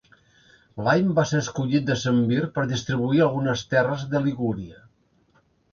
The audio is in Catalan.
L'any va ser escollit decemvir per distribuir algunes terres de Ligúria.